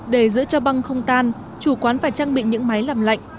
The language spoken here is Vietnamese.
để giữ cho băng không tan chủ quán phải trang bị những máy làm lạnh